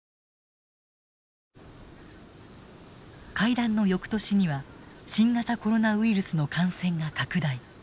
会談の翌年には新型コロナウイルスの感染が拡大。